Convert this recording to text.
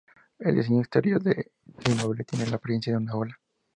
El diseño exterior del inmueble tiene la apariencia de una ola.